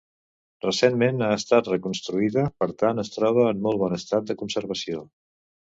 Recentment ha estat reconstruïda, per tant es troba en molt bon estat de conservació.